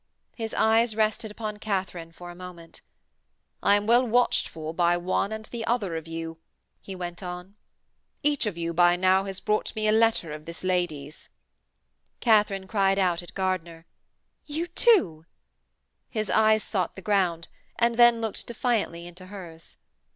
His eyes rested upon Katharine for a moment. 'I am well watched for by one and the other of you,' he went on. 'Each of you by now has brought me a letter of this lady's.' Katharine cried out at Gardiner: 'You too!' His eyes sought the ground, and then looked defiantly into hers.